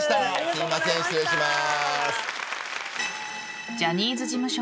すいません、失礼します。